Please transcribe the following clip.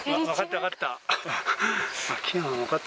分かった、分かった。